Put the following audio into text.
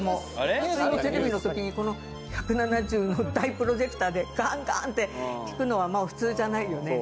普通のテレビのとき、１７０の大プロジェクターでガンガン聞くのは普通じゃないよね。